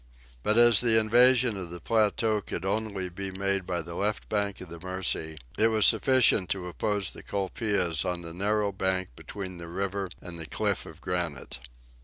But as the invasion of the plateau could only be made by the left bank of the Mercy, it was sufficient to oppose the colpeos on the narrow bank between the river and the cliff of granite.